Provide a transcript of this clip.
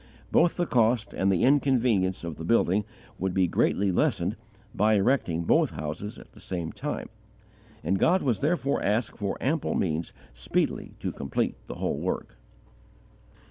Both the cost and the inconvenience of building would be greatly lessened by erecting both houses at the same time; and God was therefore asked for ample means speedily to complete the whole work.